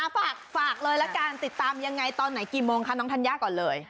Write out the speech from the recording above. ฝากเลยละกันติดตามยังไงตอนไหนกี่โมงคะน้องธัญญาก่อนเลย